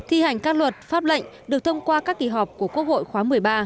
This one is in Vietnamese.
thi hành các luật pháp lệnh được thông qua các kỳ họp của quốc hội khóa một mươi ba